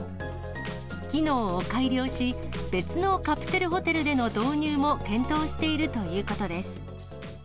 機能を改良し、別のカプセルホテルでの導入も検討しているということです。